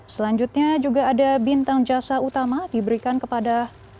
selanjutnya juga ada bintang jasa utama diberikan kepada